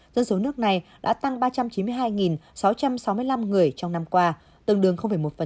dân số nước này đã tăng ba trăm chín mươi hai sáu trăm sáu mươi năm người trong năm qua tương đương một